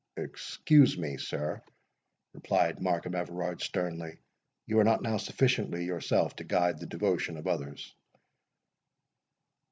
"Excuse me, sir," replied Markham Everard sternly; "you are not now sufficiently yourself to guide the devotion of others."